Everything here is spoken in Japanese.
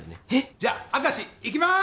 じゃっ明石行きます！